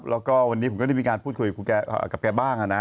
แล้วก็วันนี้ผมก็ได้มีการพูดคุยกับแกบ้างนะ